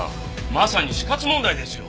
まさに死活問題ですよ！